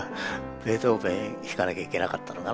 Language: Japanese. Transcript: ベートーベン弾かなきゃいけなかったのかな。